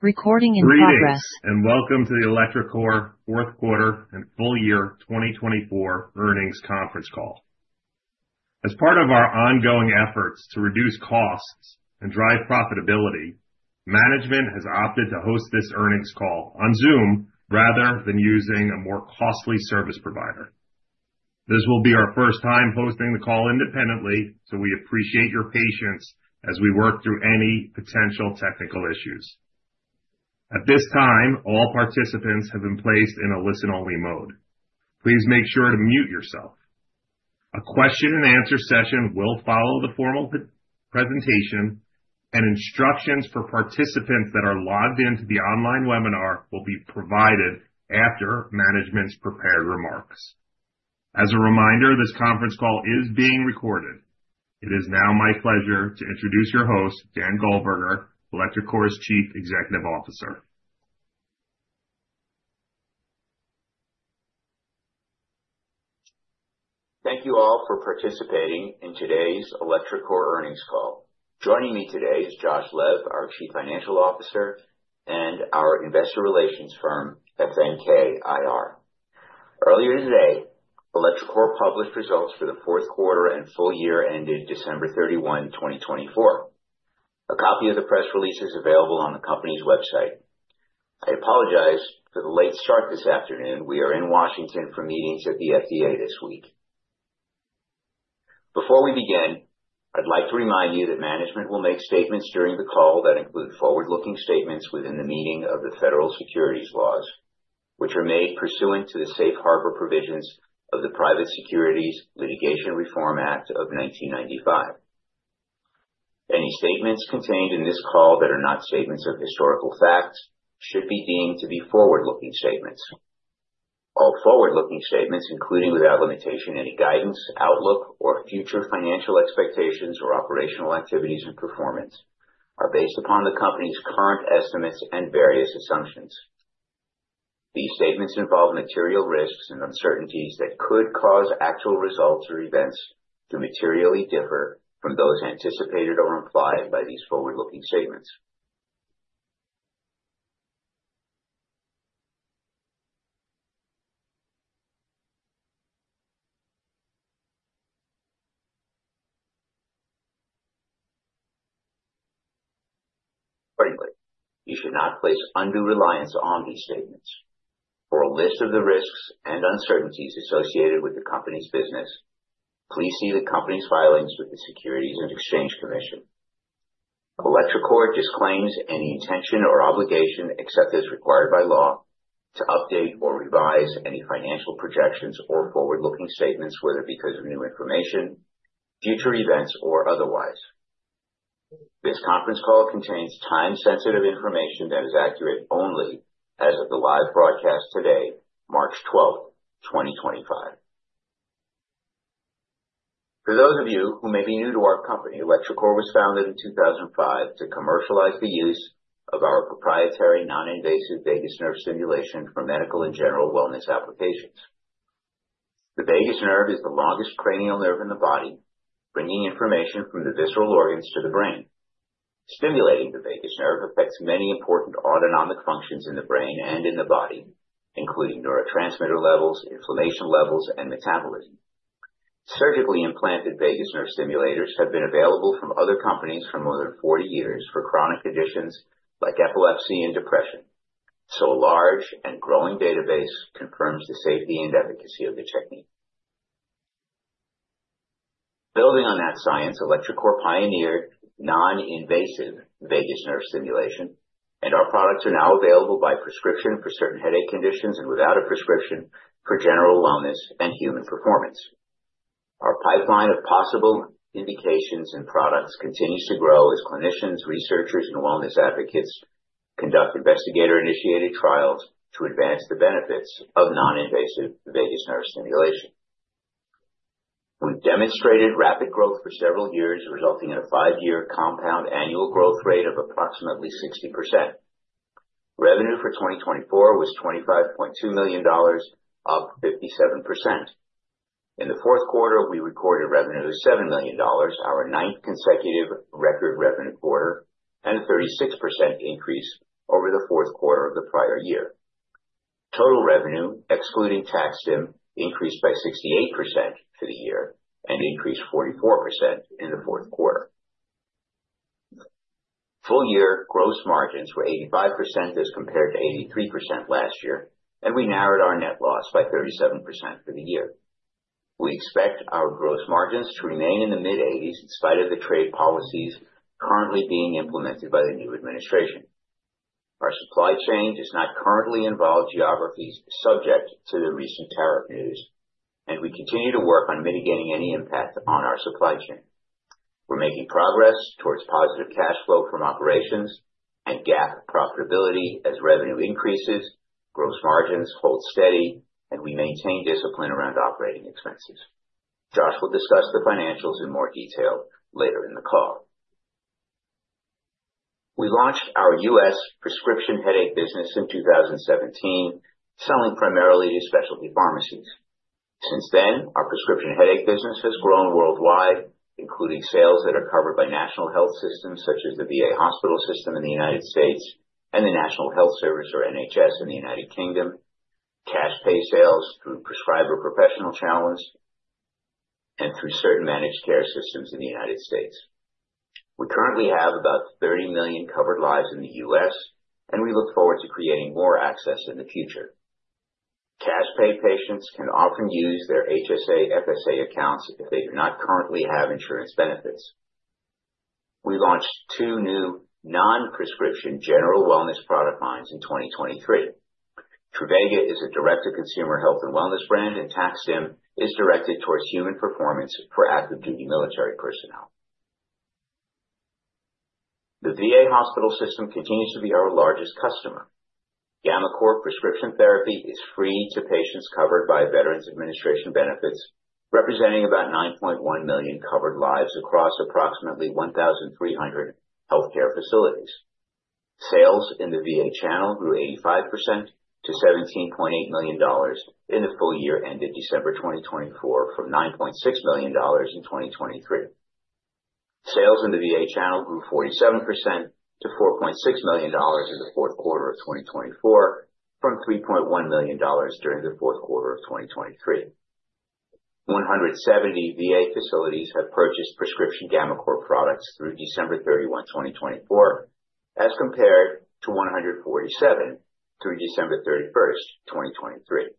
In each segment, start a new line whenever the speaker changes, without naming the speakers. Recording in progress. Right, and welcome to the electroCore Fourth Quarter and Full Year 2024 Earnings Conference Call. As part of our ongoing efforts to reduce costs and drive profitability, management has opted to host this earnings call on Zoom rather than using a more costly service provider. This will be our first time hosting the call independently, so we appreciate your patience as we work through any potential technical issues. At this time, all participants have been placed in a listen-only mode. Please make sure to mute yourself. A question-and-answer session will follow the formal presentation, and instructions for participants that are logged into the online webinar will be provided after management's prepared remarks. As a reminder, this conference call is being recorded. It is now my pleasure to introduce your host, Dan Goldberger, electroCore's Chief Executive Officer.
Thank you all for participating in today's electroCore earnings call. Joining me today is Josh Lev, our Chief Financial Officer, and our investor relations firm, FNKIR. Earlier today, electroCore published results for the fourth quarter and full year ended December 31, 2024. A copy of the press release is available on the company's website. I apologize for the late start this afternoon. We are in Washington, D.C. for meetings at the FDA this week. Before we begin, I'd like to remind you that management will make statements during the call that include forward-looking statements within the meaning of the federal securities laws, which are made pursuant to the safe harbor provisions of the Private Securities Litigation Reform Act of 1995. Any statements contained in this call that are not statements of historical facts should be deemed to be forward-looking statements. All forward-looking statements, including without limitation any guidance, outlook, or future financial expectations or operational activities and performance, are based upon the company's current estimates and various assumptions. These statements involve material risks and uncertainties that could cause actual results or events to materially differ from those anticipated or implied by these forward-looking statements. Frankly, you should not place undue reliance on these statements. For a list of the risks and uncertainties associated with the company's business, please see the company's filings with the Securities and Exchange Commission. electroCore disclaims any intention or obligation, except as required by law, to update or revise any financial projections or forward-looking statements, whether because of new information, future events, or otherwise. This conference call contains time-sensitive information that is accurate only as of the live broadcast today, March 12th, 2025. For those of you who may be new to our company, electroCore was founded in 2005 to commercialize the use of our proprietary non-invasive vagus nerve stimulation for medical and general wellness applications. The vagus nerve is the longest cranial nerve in the body, bringing information from the visceral organs to the brain. Stimulating the vagus nerve affects many important autonomic functions in the brain and in the body, including neurotransmitter levels, inflammation levels, and metabolism. Surgically implanted vagus nerve stimulators have been available from other companies for more than 40 years for chronic conditions like epilepsy and depression, so a large and growing database confirms the safety and efficacy of the technique. Building on that science, electroCore pioneered non-invasive vagus nerve stimulation, and our products are now available by prescription for certain headache conditions and without a prescription for general wellness and human performance. Our pipeline of possible indications and products continues to grow as clinicians, researchers, and wellness advocates conduct investigator-initiated trials to advance the benefits of non-invasive vagus nerve stimulation. We demonstrated rapid growth for several years, resulting in a five-year compound annual growth rate of approximately 60%. Revenue for 2024 was $25.2 million, up 57%. In the fourth quarter, we recorded revenue of $7 million, our ninth consecutive record revenue quarter, and a 36% increase over the fourth quarter of the prior year. Total revenue, excluding TAC-STIM, increased by 68% for the year and increased 44% in the fourth quarter. Full year gross margins were 85% as compared to 83% last year, and we narrowed our net loss by 37% for the year. We expect our gross margins to remain in the mid-80s in spite of the trade policies currently being implemented by the new administration. Our supply chain does not currently involve geographies subject to the recent tariff news, and we continue to work on mitigating any impact on our supply chain. We're making progress towards positive cash flow from operations and GAAP profitability as revenue increases, gross margins hold steady, and we maintain discipline around operating expenses. Josh will discuss the financials in more detail later in the call. We launched our U.S. prescription headache business in 2017, selling primarily to specialty pharmacies. Since then, our prescription headache business has grown worldwide, including sales that are covered by national health systems such as the VA Hospital System in the United States and the National Health Service or NHS in the United Kingdom, cash pay sales through prescriber professional channels, and through certain managed care systems in the United States. We currently have about 30 million covered lives in the U.S., and we look forward to creating more access in the future. Cash pay patients can often use their HSA/FSA accounts if they do not currently have insurance benefits. We launched two new non-prescription general wellness product lines in 2023. Truvaga is a direct-to-consumer health and wellness brand, and TAC-STIM is directed towards human performance for active duty military personnel. The VA Hospital System continues to be our largest customer. gammaCore prescription therapy is free to patients covered by Veterans Administration benefits, representing about 9.1 million covered lives across approximately 1,300 healthcare facilities. Sales in the VA channel grew 85% to $17.8 million in the full year ended December 2024 from $9.6 million in 2023. Sales in the VA channel grew 47% to $4.6 million in the fourth quarter of 2024 from $3.1 million during the fourth quarter of 2023. 170 VA facilities have purchased prescription gammaCore products through December 31st, 2024, as compared to 147 through December 31st, 2023.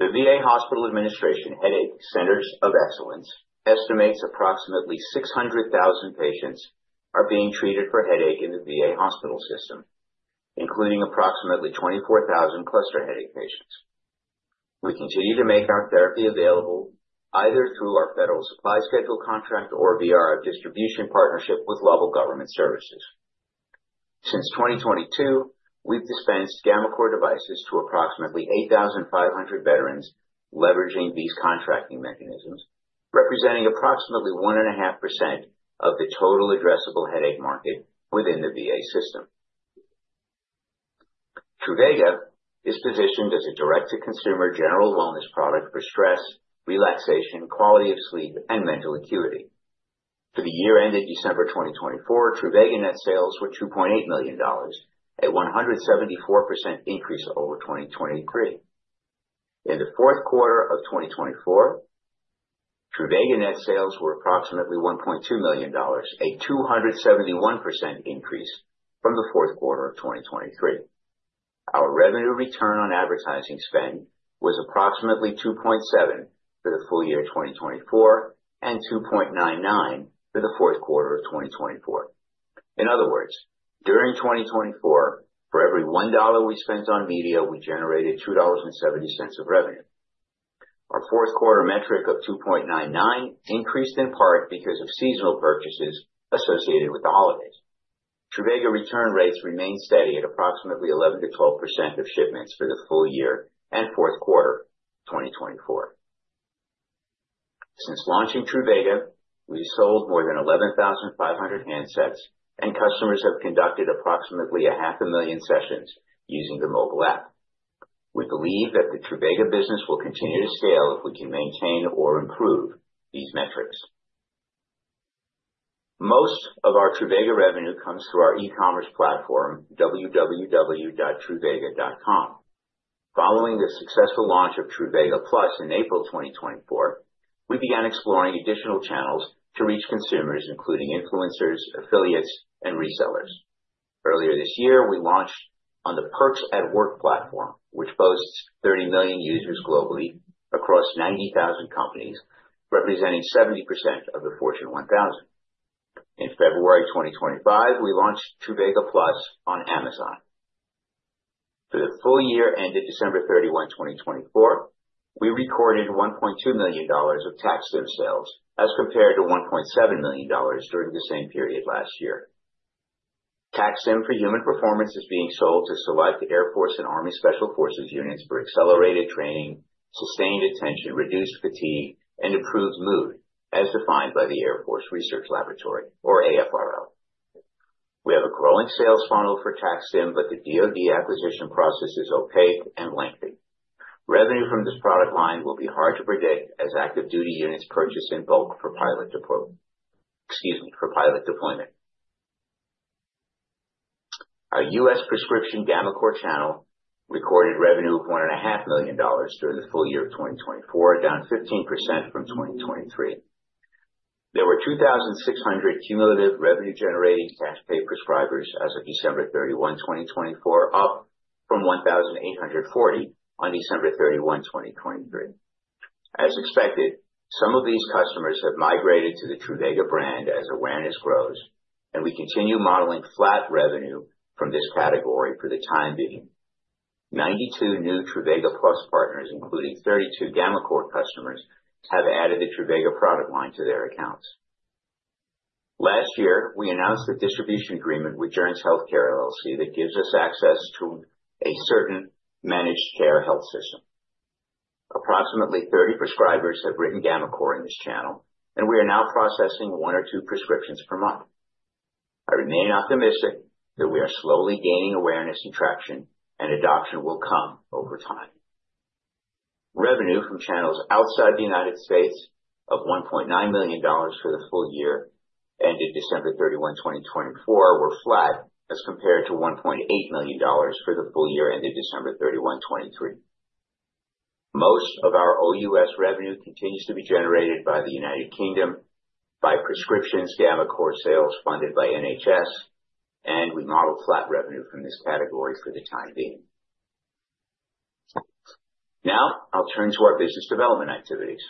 The VA Hospital Administration Headache Centers of Excellence estimates approximately 600,000 patients are being treated for headache in the VA Hospital System, including approximately 24,000 cluster headache patients. We continue to make our therapy available either through our Federal Supply Schedule contract or via our distribution partnership with Level Government Services. Since 2022, we've dispensed gammaCore devices to approximately 8,500 veterans leveraging these contracting mechanisms, representing approximately 1.5% of the total addressable headache market within the VA System. Truvaga is positioned as a direct-to-consumer general wellness product for stress, relaxation, quality of sleep, and mental acuity. For the year ended December 2024, Truvaga net sales were $2.8 million, a 174% increase over 2023. In the fourth quarter of 2024, Truvaga net sales were approximately $1.2 million, a 271% increase from the fourth quarter of 2023. Our revenue return on advertising spend was approximately 2.7 for the full year 2024 and $2.99 for the fourth quarter of 2024. In other words, during 2024, for every $1 we spent on media, we generated $2.70 of revenue. Our fourth quarter metric of $2.99 increased in part because of seasonal purchases associated with the holidays. Truvaga return rates remained steady at approximately 11% to 12% of shipments for the full year and fourth quarter 2024. Since launching Truvaga, we sold more than 11,500 handsets, and customers have conducted approximately 500,000 sessions using the mobile app. We believe that the Truvaga business will continue to scale if we can maintain or improve these metrics. Most of our Truvaga revenue comes through our e-commerce platform, www.truvaga.com. Following the successful launch of Truvaga Plus in April 2024, we began exploring additional channels to reach consumers, including influencers, affiliates, and resellers. Earlier this year, we launched on the Perks at Work platform, which boasts 30 million users globally across 90,000 companies, representing 70% of the Fortune 1000. In February 2025, we launched Truvaga Plus on Amazon. For the full year ended December 31, 2024, we recorded $1.2 million of TAC-STIM sales as compared to $1.7 million during the same period last year. TAC-STIM for human performance is being sold to select Air Force and Army Special Forces units for accelerated training, sustained attention, reduced fatigue, and improved mood, as defined by the Air Force Research Laboratory, or AFRL. We have a growing sales funnel for TAC-STIM, but the DOD acquisition process is opaque and lengthy. Revenue from this product line will be hard to predict as active duty units purchase in bulk for pilot deployment. Our U.S. prescription gammaCore channel recorded revenue of $1.5 million during the full year of 2024, down 15% from 2023. There were 2,600 cumulative revenue-generating cash pay prescribers as of December 31, 2024, up from 1,840 on December 31, 2023. As expected, some of these customers have migrated to the Truvaga brand as awareness grows, and we continue modeling flat revenue from this category for the time being. 92 new Truvaga Plus partners, including 32 gammaCore customers, have added the Truvaga product line to their accounts. Last year, we announced the distribution agreement with Joerns Healthcare that gives us access to a certain managed care health system. Approximately 30 prescribers have written gammaCore in this channel, and we are now processing one or two prescriptions per month. I remain optimistic that we are slowly gaining awareness and traction, and adoption will come over time. Revenue from channels outside the U.S. of $1.9 million for the full year ended December 31, 2024, were flat as compared to $1.8 million for the full year ended December 31, 2023. Most of our OUS revenue continues to be generated by the United Kingdom by prescriptions gammaCore sales funded by NHS, and we model flat revenue from this category for the time being. Now, I'll turn to our business development activities.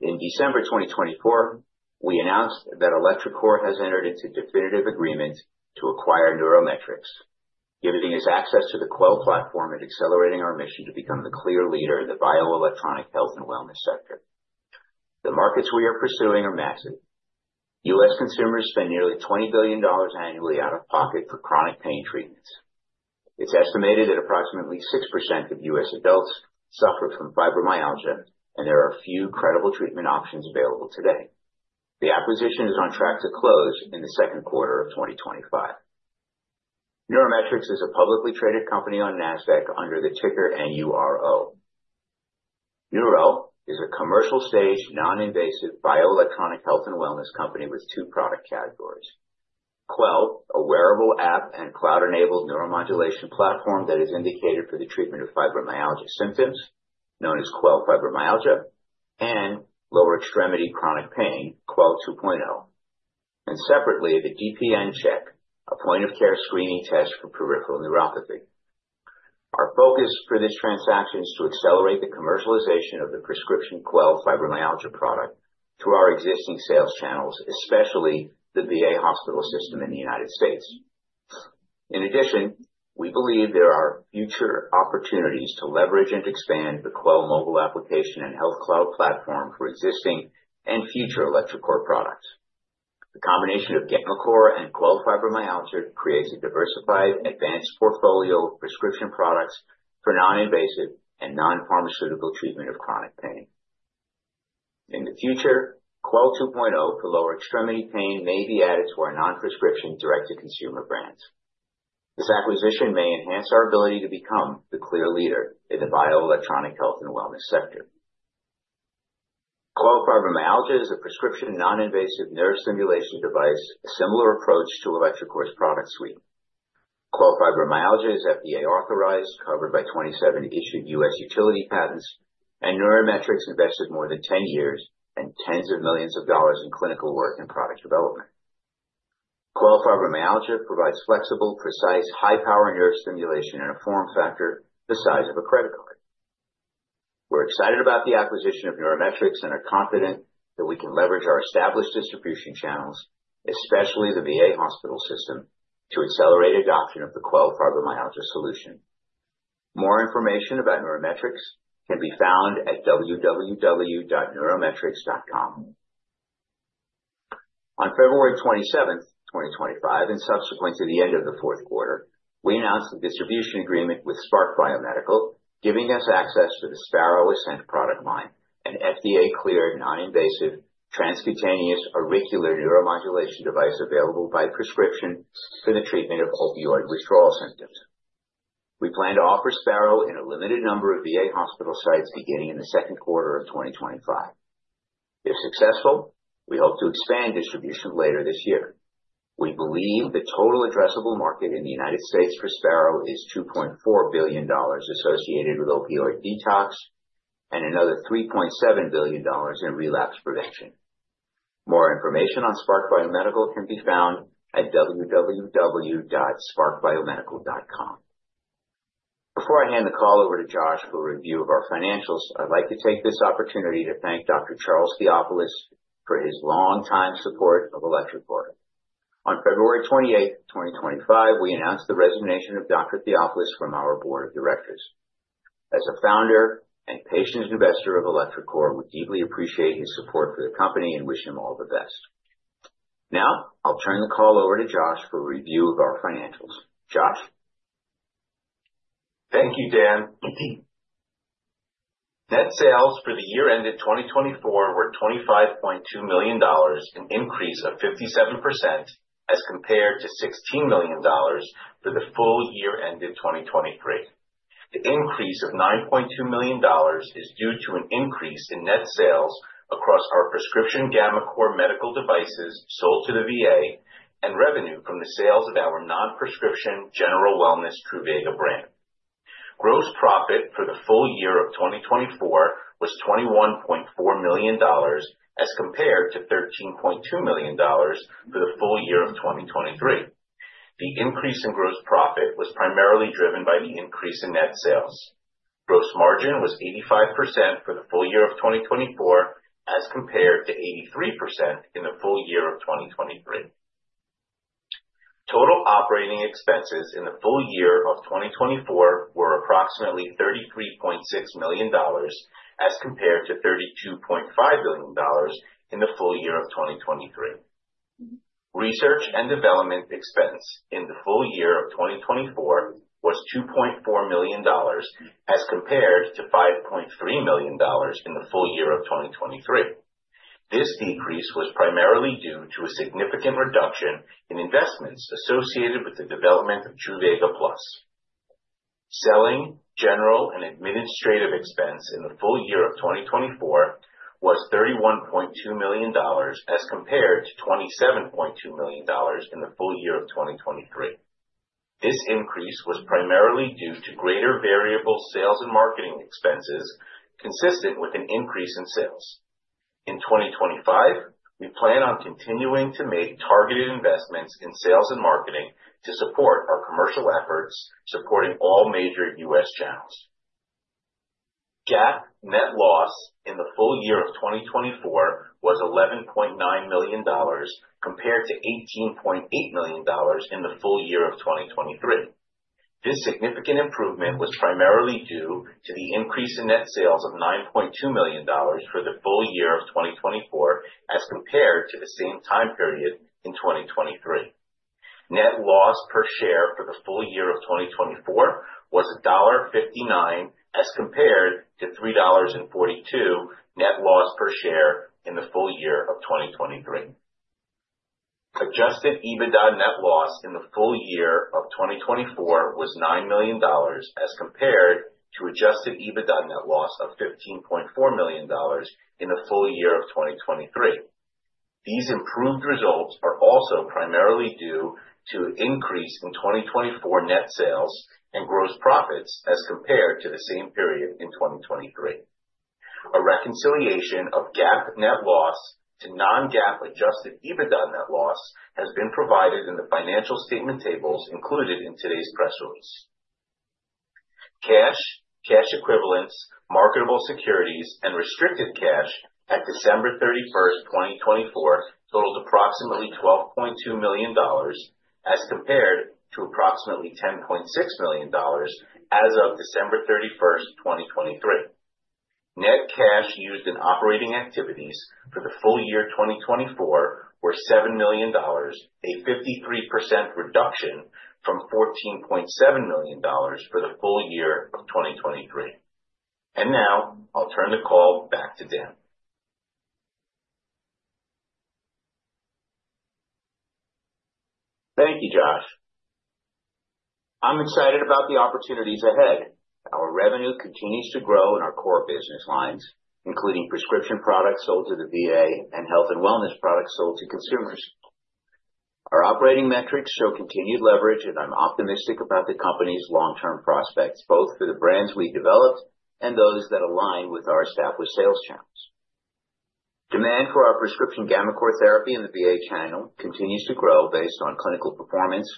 In December 2024, we announced that electroCore has entered into definitive agreement to acquire NeuroMetrix, giving us access to the Quell platform and accelerating our mission to become the clear leader in the bioelectronic health and wellness sector. The markets we are pursuing are massive. U.S. consumers spend nearly $20 billion annually out of pocket for chronic pain treatments. It's estimated that approximately 6% of U.S. adults suffer from fibromyalgia, and there are few credible treatment options available today. The acquisition is on track to close in the second quarter of 2025. NeuroMetrix is a publicly traded company on NASDAQ under the ticker NURO. NURO is a commercial-stage non-invasive bioelectronic health and wellness company with two product categories: Quell, a wearable app and cloud-enabled neuromodulation platform that is indicated for the treatment of fibromyalgia symptoms, known as Quell Fibromyalgia, and lower extremity chronic pain, Quell 2.0. Separately, the DPNCheck, a point-of-care screening test for peripheral neuropathy. Our focus for this transaction is to accelerate the commercialization of the prescription Quell Fibromyalgia product through our existing sales channels, especially the VA Hospital System in the United States. In addition, we believe there are future opportunities to leverage and expand the Quell mobile application and health cloud platform for existing and future electroCore products. The combination of gammaCore and Quell Fibromyalgia creates a diversified, advanced portfolio of prescription products for non-invasive and non-pharmaceutical treatment of chronic pain. In the future, Quell 2.0 for lower extremity pain may be added to our non-prescription direct-to-consumer brands. This acquisition may enhance our ability to become the clear leader in the bioelectronic health and wellness sector. Quell Fibromyalgia is a prescription non-invasive nerve stimulation device, a similar approach to electroCore's product suite. Quell Fibromyalgia is FDA authorized, covered by 27 issued U.S. utility patents, and NeuroMetrix invested more than 10 years and tens of millions of dollars in clinical work and product development. Quell Fibromyalgia provides flexible, precise, high-power nerve stimulation in a form factor the size of a credit card. We're excited about the acquisition of NeuroMetrix and are confident that we can leverage our established distribution channels, especially the VA Hospital System, to accelerate adoption of the Quell Fibromyalgia solution. More information about NeuroMetrix can be found at www.neurometrix.com. On February 27, 2025, and subsequent to the end of the fourth quarter, we announced the distribution agreement with Spark Biomedical, giving us access to the Sparrow Ascent product line, an FDA-cleared non-invasive transcutaneous auricular neuromodulation device available by prescription for the treatment of opioid withdrawal symptoms. We plan to offer Sparrow in a limited number of VA Hospital sites beginning in the second quarter of 2025. If successful, we hope to expand distribution later this year. We believe the total addressable market in the United States for Sparrow is $2.4 billion associated with opioid detox and another $3.7 billion in relapse prevention. More information on Spark Biomedical can be found at www.sparkbiomedical.com. Before I hand the call over to Josh for a review of our financials, I'd like to take this opportunity to thank Dr. Charles Theofilos for his long-time support of electroCore. On February 28, 2025, we announced the resignation of Dr. Theophilus from our board of directors. As a founder and patient investor of electroCore, we deeply appreciate his support for the company and wish him all the best. Now, I'll turn the call over to Josh for a review of our financials. Josh.
Thank you, Dan. Net sales for the year ended 2024 were $25.2 million, an increase of 57% as compared to $16 million for the full year ended 2023. The increase of $9.2 million is due to an increase in net sales across our prescription gammaCore medical devices sold to the VA and revenue from the sales of our non-prescription general wellness Truvaga brand. Gross profit for the full year of 2024 was $21.4 million as compared to $13.2 million for the full year of 2023. The increase in gross profit was primarily driven by the increase in net sales. Gross margin was 85% for the full year of 2024 as compared to 83% in the full year of 2023. Total operating expenses in the full year of 2024 were approximately $33.6 million as compared to $32.5 million in the full year of 2023. Research and development expense in the full year of 2024 was $2.4 million as compared to $5.3 million in the full year of 2023. This decrease was primarily due to a significant reduction in investments associated with the development of Truvaga Plus. Selling, general, and administrative expense in the full year of 2024 was $31.2 million as compared to $27.2 million in the full year of 2023. This increase was primarily due to greater variable sales and marketing expenses consistent with an increase in sales. In 2025, we plan on continuing to make targeted investments in sales and marketing to support our commercial efforts supporting all major U.S. channels. GAAP net loss in the full year of 2024 was $11.9 million compared to $18.8 million in the full year of 2023. This significant improvement was primarily due to the increase in net sales of $9.2 million for the full year of 2024 as compared to the same time period in 2023. Net loss per share for the full year of 2024 was $1.59 as compared to $3.42 net loss per share in the full year of 2023. Adjusted EBITDA net loss in the full year of 2024 was $9 million as compared to adjusted EBITDA net loss of $15.4 million in the full year of 2023. These improved results are also primarily due to an increase in 2024 net sales and gross profits as compared to the same period in 2023. A reconciliation of GAAP net loss to non-GAAP adjusted EBITDA net loss has been provided in the financial statement tables included in today's press release. Cash, cash equivalents, marketable securities, and restricted cash at December 31, 2024, totaled approximately $12.2 million as compared to approximately $10.6 million as of December 31, 2023. Net cash used in operating activities for the full year 2024 was $7 million, a 53% reduction from $14.7 million for the full year of 2023. I'll turn the call back to Dan.
Thank you, Josh. I'm excited about the opportunities ahead. Our revenue continues to grow in our core business lines, including prescription products sold to the VA and health and wellness products sold to consumers. Our operating metrics show continued leverage, and I'm optimistic about the company's long-term prospects, both for the brands we developed and those that align with our established sales channels. Demand for our prescription gammaCore therapy in the VA channel continues to grow based on clinical performance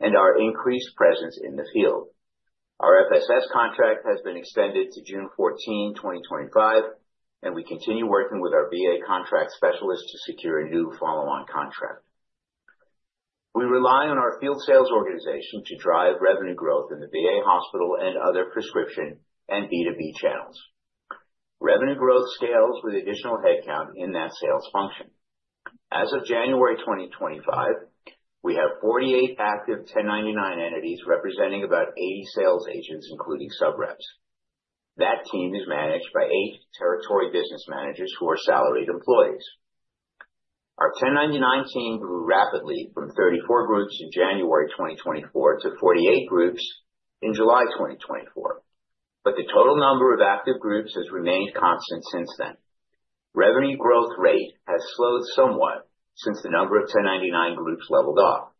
and our increased presence in the field. Our FSS contract has been extended to June 14, 2025, and we continue working with our VA contract specialists to secure a new follow-on contract. We rely on our field sales organization to drive revenue growth in the VA hospital and other prescription and B2B channels. Revenue growth scales with additional headcount in that sales function. As of January 2025, we have 48 active 1099 entities representing about 80 sales agents, including subreps. That team is managed by eight territory business managers who are salaried employees. Our 1099 team grew rapidly from 34 groups in January 2024 to 48 groups in July 2024, but the total number of active groups has remained constant since then. Revenue growth rate has slowed somewhat since the number of 1099 groups leveled off.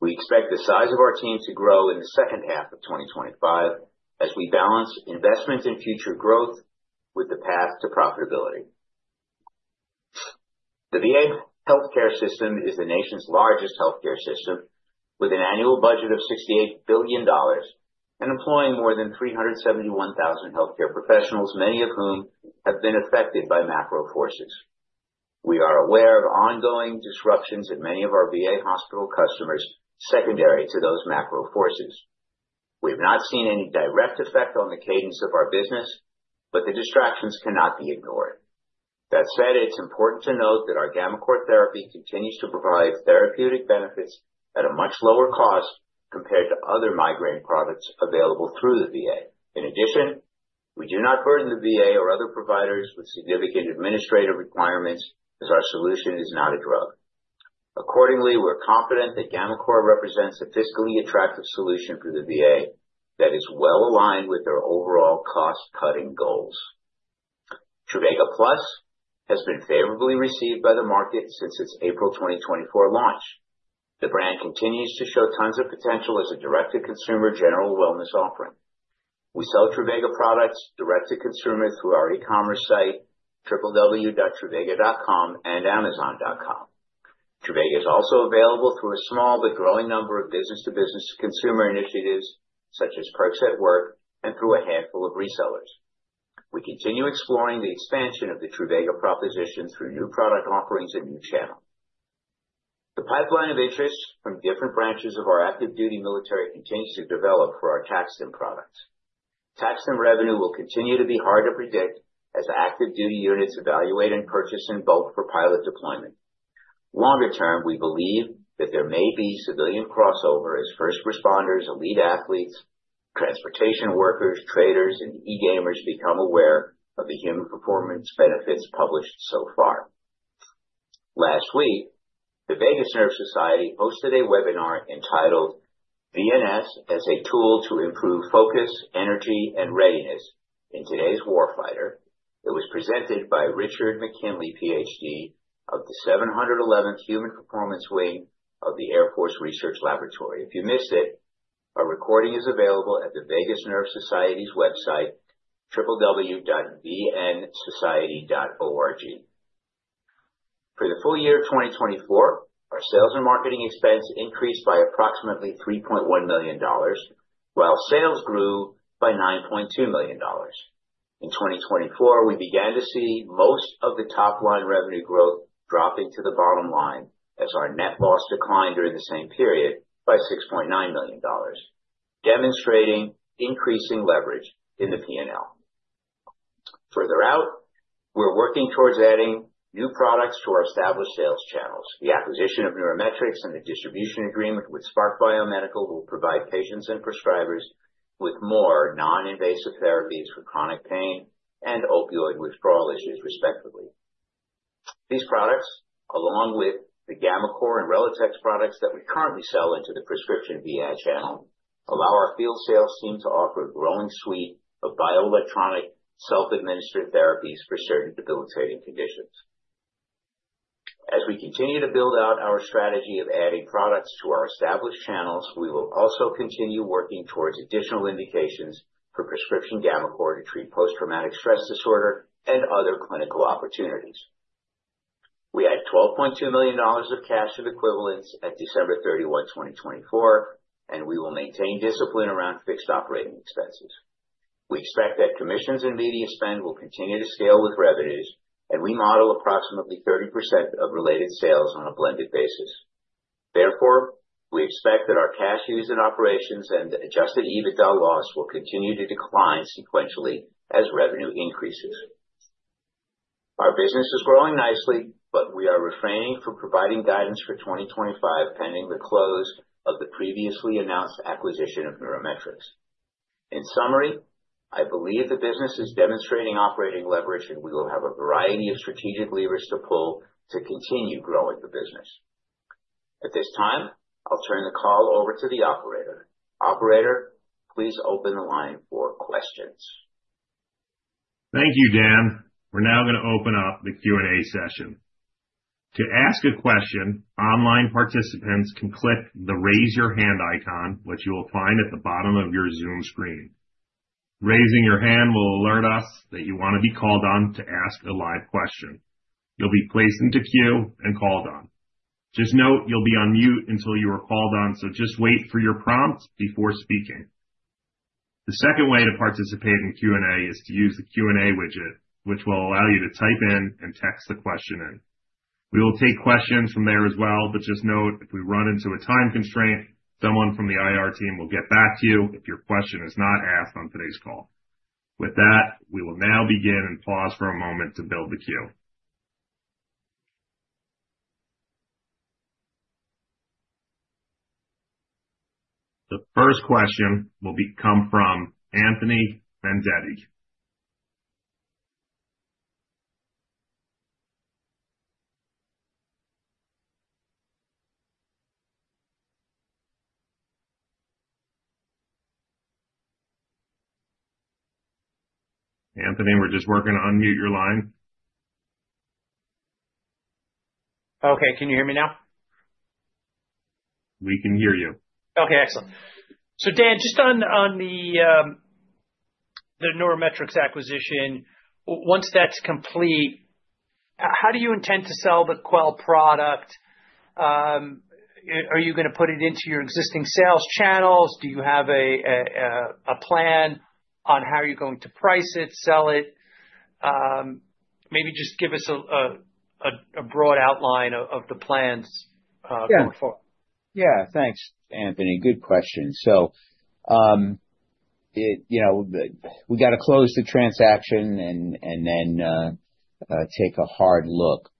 We expect the size of our team to grow in the second half of 2025 as we balance investment and future growth with the path to profitability. The VA healthcare system is the nation's largest healthcare system, with an annual budget of $68 billion and employing more than 371,000 healthcare professionals, many of whom have been affected by macro forces. We are aware of ongoing disruptions in many of our VA hospital customers secondary to those macro forces. We have not seen any direct effect on the cadence of our business, but the distractions cannot be ignored. That said, it's important to note that our gammaCore therapy continues to provide therapeutic benefits at a much lower cost compared to other migraine products available through the VA. In addition, we do not burden the VA or other providers with significant administrative requirements as our solution is not a drug. Accordingly, we're confident that gammaCore represents a fiscally attractive solution for the VA that is well aligned with our overall cost-cutting goals. Truvaga Plus has been favorably received by the market since its April 2024 launch. The brand continues to show tons of potential as a direct-to-consumer general wellness offering. We sell Truvaga products direct-to-consumer through our e-commerce site, www.truvaga.com, and amazon.com. Truvaga is also available through a small but growing number of business-to-business consumer initiatives such as Perks at Work and through a handful of resellers. We continue exploring the expansion of the Truvaga proposition through new product offerings and new channels. The pipeline of interest from different branches of our active duty military continues to develop for our TAC-STIM products. TAC-STIM revenue will continue to be hard to predict as active duty units evaluate and purchase in bulk for pilot deployment. Longer term, we believe that there may be civilian crossover as first responders, elite athletes, transportation workers, traders, and e-gamers become aware of the human performance benefits published so far. Last week, the Vagus Nerve Society hosted a webinar entitled "VNS as a Tool to Improve Focus, Energy, and Readiness in Today's Warfighter." It was presented by Richard McKinley, PhD, of the 711th Human Performance Wing of the Air Force Research Laboratory. If you missed it, our recording is available at the Vagus Nerve Society's website, www.vnssociety.org. For the full year of 2024, our sales and marketing expense increased by approximately $3.1 million, while sales grew by $9.2 million. In 2024, we began to see most of the top-line revenue growth dropping to the bottom line as our net loss declined during the same period by $6.9 million, demonstrating increasing leverage in the P&L. Further out, we're working towards adding new products to our established sales channels. The acquisition of NeuroMetrix and the distribution agreement with Spark Biomedical will provide patients and prescribers with more non-invasive therapies for chronic pain and opioid withdrawal issues, respectively. These products, along with the gammaCore and Relivion products that we currently sell into the prescription VA channel, allow our field sales team to offer a growing suite of bioelectronic self-administered therapies for certain debilitating conditions. As we continue to build out our strategy of adding products to our established channels, we will also continue working towards additional indications for prescription gammaCore to treat post-traumatic stress disorder and other clinical opportunities. We had $12.2 million of cash equivalents at December 31, 2024, and we will maintain discipline around fixed operating expenses. We expect that commissions and media spend will continue to scale with revenues, and we model approximately 30% of related sales on a blended basis. Therefore, we expect that our cash used in operations and adjusted EBITDA loss will continue to decline sequentially as revenue increases. Our business is growing nicely, but we are refraining from providing guidance for 2025 pending the close of the previously announced acquisition of NeuroMetrix. In summary, I believe the business is demonstrating operating leverage, and we will have a variety of strategic levers to pull to continue growing the business. At this time, I'll turn the call over to the operator. Operator, please open the line for questions.
Thank you, Dan. We're now going to open up the Q&A session. To ask a question, online participants can click the raise your hand icon, which you will find at the bottom of your Zoom screen. Raising your hand will alert us that you want to be called on to ask a live question. You'll be placed into queue and called on. Just note you'll be on mute until you are called on, so just wait for your prompt before speaking. The second way to participate in Q&A is to use the Q&A widget, which will allow you to type in and text the question in. We will take questions from there as well, but just note if we run into a time constraint, someone from the IR team will get back to you if your question is not asked on today's call. With that, we will now begin and pause for a moment to build the queue. The first question will come from Anthony Vendetti. Anthony, we're just working to unmute your line.
Okay. Can you hear me now?
We can hear you.
Okay. Excellent. Dan, just on the NeuroMetrix acquisition, once that's complete, how do you intend to sell the Quell product? Are you going to put it into your existing sales channels? Do you have a plan on how you're going to price it, sell it? Maybe just give us a broad outline of the plans going forward.
Yeah. Thanks, Anthony. Good question. We got to close the transaction and then take a hard look.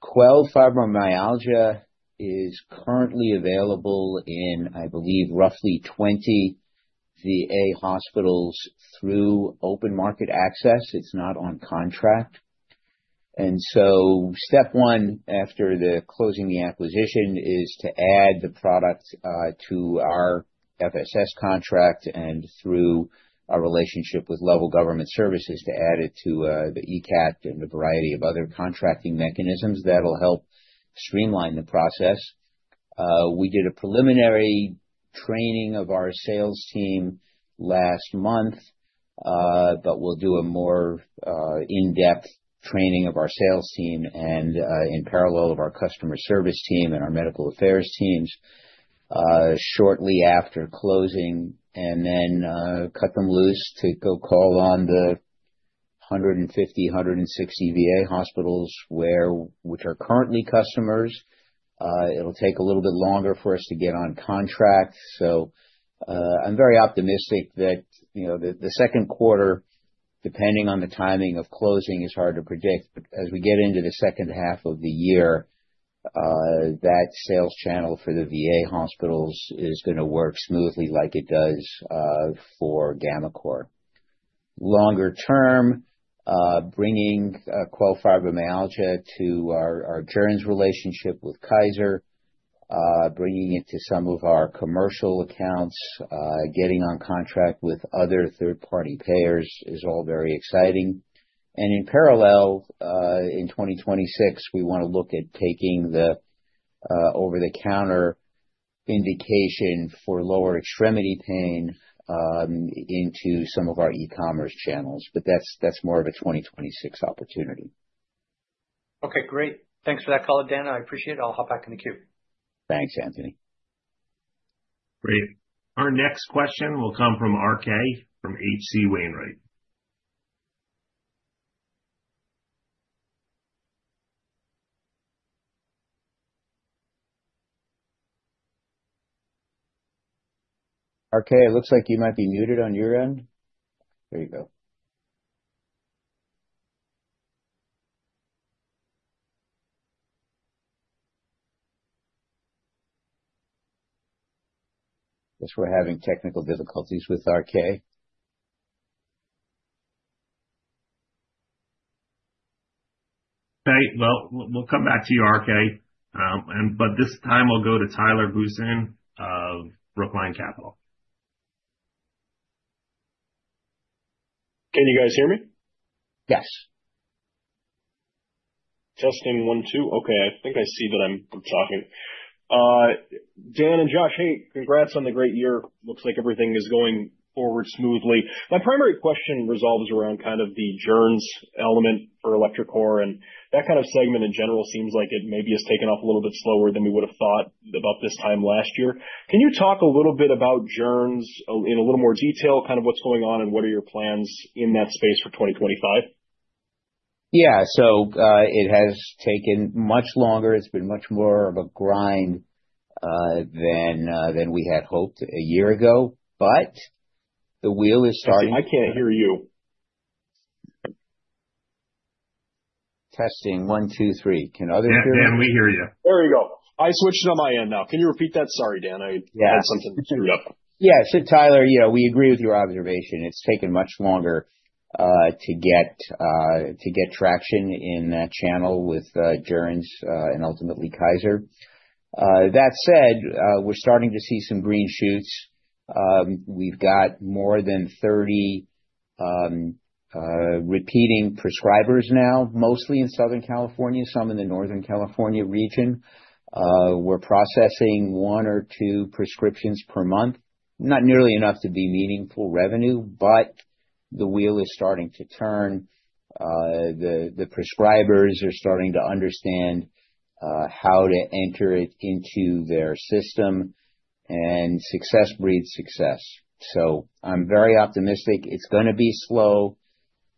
Quell Fibromyalgia is currently available in, I believe, roughly 20 VA hospitals through open market access. It's not on contract. Step one after closing the acquisition is to add the product to our FSS contract and through our relationship with Level Government Services to add it to the ECAT and a variety of other contracting mechanisms that will help streamline the process. We did a preliminary training of our sales team last month, but we'll do a more in-depth training of our sales team and in parallel of our customer service team and our medical affairs teams shortly after closing. We will then cut them loose to go call on the 150, 160 VA hospitals which are currently customers. It'll take a little bit longer for us to get on contract. I am very optimistic that the second quarter, depending on the timing of closing, is hard to predict. As we get into the second half of the year, that sales channel for the VA hospitals is going to work smoothly like it does for gammaCore. Longer term, bringing Quell Fibromyalgia to our insurance relationship with Kaiser, bringing it to some of our commercial accounts, getting on contract with other third-party payers is all very exciting. In parallel, in 2026, we want to look at taking the over-the-counter indication for lower extremity pain into some of our e-commerce channels. That is more of a 2026 opportunity.
Okay. Great. Thanks for that call, Dan. I appreciate it. I'll hop back in the queue.
Thanks, Anthony.
Great. Our next question will come from RK from HC Wainwright.
RK, it looks like you might be muted on your end. There you go. I guess we're having technical difficulties with RK.
Okay. We will come back to you, RK. This time, I'll go to Tyler Bussian of Brookline Capital.
Can you guys hear me?
Yes.
Testing one, two. Okay. I think I see that I'm talking. Dan and Josh, hey, congrats on the great year. Looks like everything is going forward smoothly. My primary question revolves around kind of the Joerns element for electroCore. That kind of segment in general seems like it maybe has taken off a little bit slower than we would have thought about this time last year. Can you talk a little bit about Joerns in a little more detail, kind of what's going on and what are your plans in that space for 2025?
Yeah. It has taken much longer. It's been much more of a grind than we had hoped a year ago. The wheel is starting.
I can't hear you.
Testing one, two, three. Can others hear me?
Dan, we hear you.
There you go. I switched on my end now. Can you repeat that? Sorry, Dan. I had something screwed up.
Yeah. Tyler, we agree with your observation. It's taken much longer to get traction in that channel with Joerns and ultimately Kaiser. That said, we're starting to see some green shoots. We've got more than 30 repeating prescribers now, mostly in Southern California, some in the Northern California region. We're processing one or two prescriptions per month, not nearly enough to be meaningful revenue, but the wheel is starting to turn. The prescribers are starting to understand how to enter it into their system. Success breeds success. I am very optimistic. It's going to be slow.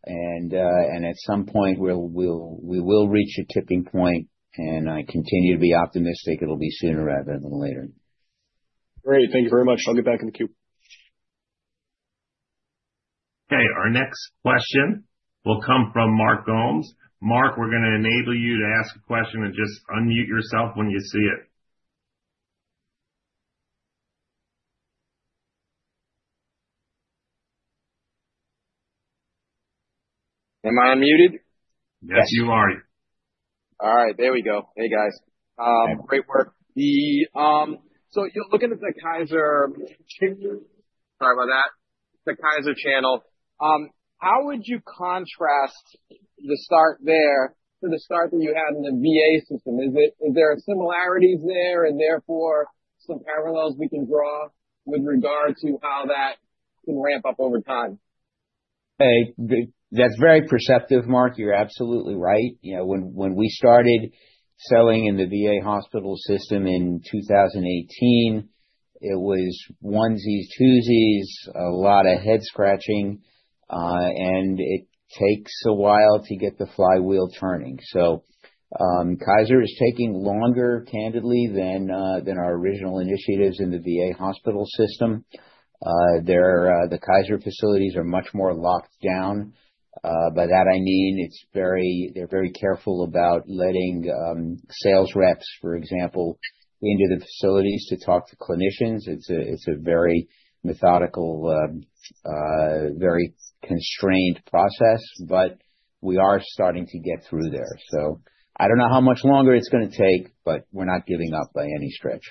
At some point, we will reach a tipping point. I continue to be optimistic it'll be sooner rather than later.
Great. Thank you very much. I'll get back in the queue.
Okay. Our next question will come from Mark Gomes. Mark, we're going to enable you to ask a question and just unmute yourself when you see it.
Am I unmuted?
Yes, you are.
All right. There we go. Hey, guys. Great work. Looking at the Kaiser—sorry about that—the Kaiser channel, how would you contrast the start there to the start that you had in the VA system? Is there similarities there and therefore some parallels we can draw with regard to how that can ramp up over time?
Hey, that's very perceptive, Mark. You're absolutely right. When we started selling in the VA hospital system in 2018, it was onesies, twosies, a lot of head scratching. It takes a while to get the flywheel turning. Kaiser is taking longer, candidly, than our original initiatives in the VA hospital system. The Kaiser facilities are much more locked down. By that, I mean they're very careful about letting sales reps, for example, into the facilities to talk to clinicians. It's a very methodical, very constrained process. We are starting to get through there. I don't know how much longer it's going to take, but we're not giving up by any stretch.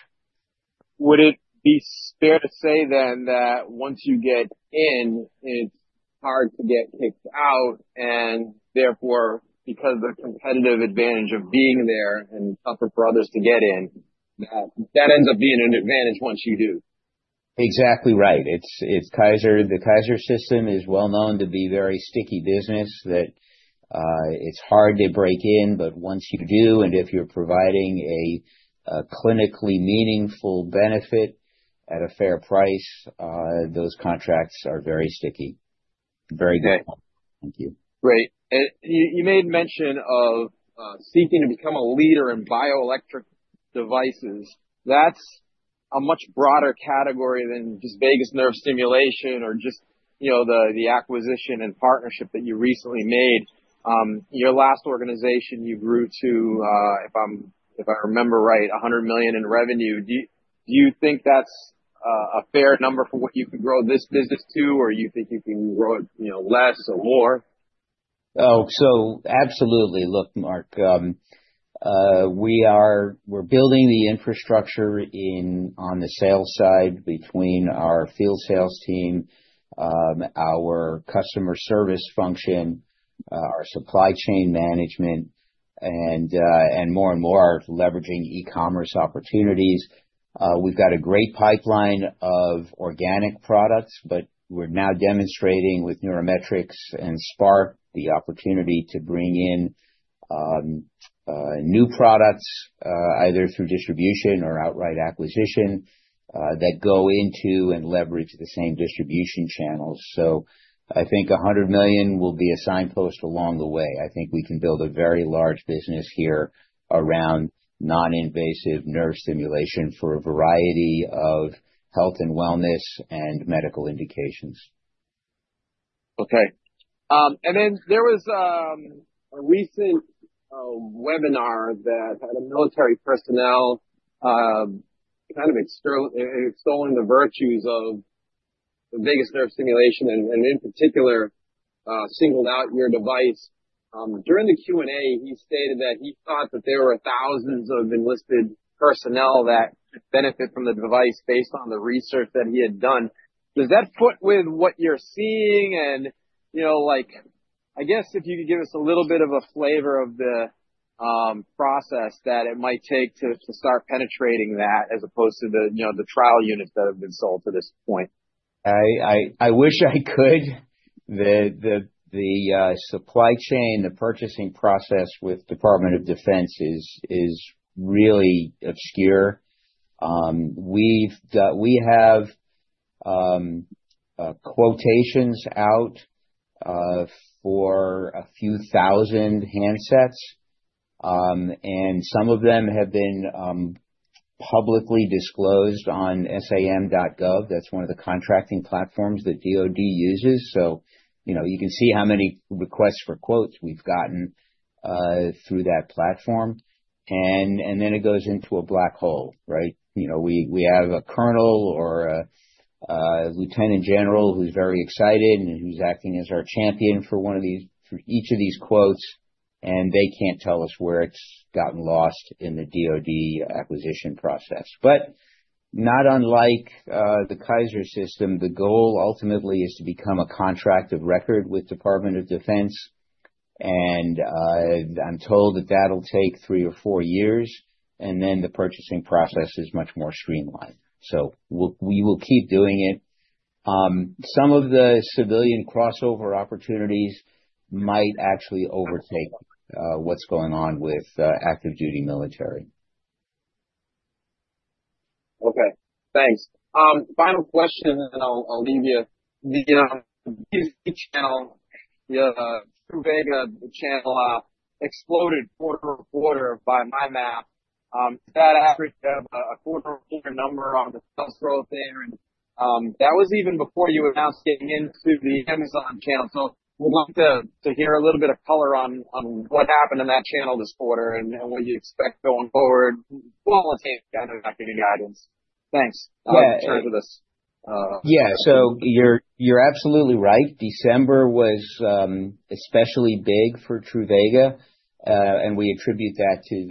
Would it be fair to say then that once you get in, it's hard to get kicked out? And therefore, because of the competitive advantage of being there and tougher for others to get in, that ends up being an advantage once you do?
Exactly right. The Kaiser system is well known to be a very sticky business that it's hard to break in. Once you do, and if you're providing a clinically meaningful benefit at a fair price, those contracts are very sticky.
Very good.
Thank you.
Great. You made mention of seeking to become a leader in bioelectric devices. That's a much broader category than just vagus nerve stimulation or just the acquisition and partnership that you recently made. Your last organization, you grew to, if I remember right, $100 million in revenue. Do you think that's a fair number for what you can grow this business to, or do you think you can grow it less or more?
Oh, absolutely. Look, Mark, we're building the infrastructure on the sales side between our field sales team, our customer service function, our supply chain management, and more and more leveraging e-commerce opportunities. We've got a great pipeline of organic products, but we're now demonstrating with NeuroMetrix and Spark the opportunity to bring in new products either through distribution or outright acquisition that go into and leverage the same distribution channels. I think $100 million will be a signpost along the way. I think we can build a very large business here around non-invasive nerve stimulation for a variety of health and wellness and medical indications.
Okay. There was a recent webinar that had military personnel kind of extolling the virtues of the vagus nerve stimulation and, in particular, singled out your device. During the Q&A, he stated that he thought that there were thousands of enlisted personnel that benefit from the device based on the research that he had done. Does that fit with what you're seeing? I guess if you could give us a little bit of a flavor of the process that it might take to start penetrating that as opposed to the trial units that have been sold to this point.
I wish I could. The supply chain, the purchasing process with the Department of Defense is really obscure. We have quotations out for a few thousand handsets. Some of them have been publicly disclosed on sam.gov. That's one of the contracting platforms that DOD uses. You can see how many requests for quotes we've gotten through that platform. It goes into a black hole, right? We have a colonel or a lieutenant general who's very excited and who's acting as our champion for each of these quotes. They can't tell us where it's gotten lost in the DOD acquisition process. Not unlike the Kaiser system, the goal ultimately is to become a contract of record with the Department of Defense. I'm told that that'll take three or four years. The purchasing process is much more streamlined. We will keep doing it. Some of the civilian crossover opportunities might actually overtake what's going on with active duty military.
Okay. Thanks. Final question, and I'll leave you. The VA channel, Truvaga channel exploded quarter to quarter by my math. Is that average of a quarter to quarter number on the sales growth there? That was even before you announced getting into the Amazon channel. We'd like to hear a little bit of color on what happened in that channel this quarter and what you expect going forward, qualitative kind of marketing guidance. Thanks. I'll have to share it with us.
Yeah. You're absolutely right. December was especially big for Truvaga. We attribute that to